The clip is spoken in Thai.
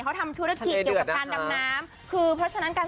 เขาทำธุระขีกเรื่องกับปางดำน้ำที่เพราะฉะนั้น